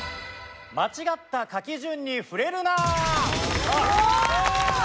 間違った書き順にふれるな！